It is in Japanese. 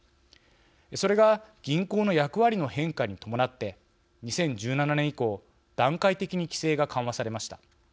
それが銀行の役割の変化に伴って２０１７年以降段階的に規制が緩和されました。